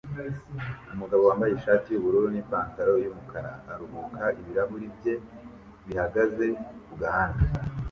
Umugabo wambaye ishati yubururu nipantaro yumukara aruhuka ibirahuri bye bihagaze ku gahanga